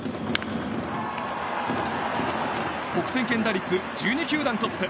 得点圏打率１２球団トップ。